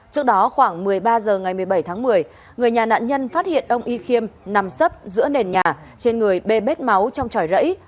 trước đó khoảng một mươi ba h ngày một mươi bảy tháng một mươi người nhà nạn nhân phát hiện ông y khiêm nằm sấp giữa nền nhà trên người bê bếp máu trong tròi rẫy